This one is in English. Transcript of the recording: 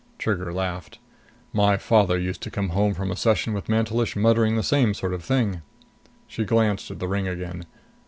Trigger laughed. "My father used to come home from a session with Mantelish muttering the same sort of thing." She glanced at the ring again.